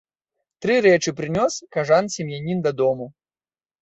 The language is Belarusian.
Тры рэчы прынёс кажан сем'янін дадому.